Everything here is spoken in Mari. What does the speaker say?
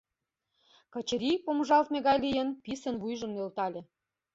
Качырий, помыжалтме гай лийын, писын вуйжым нӧлтале.